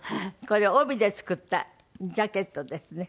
これ帯で作ったジャケットですね。